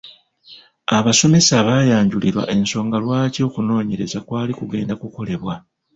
Abasomesa baayanjulirwa ensonga lwaki okunoonyereza kwali kugenda kukolebwa.